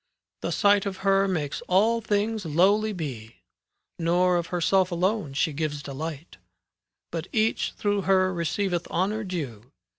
The sight of her makes all things lowly be ; Nor of herself alone she gives delight, '" But each through her receiveth honour due.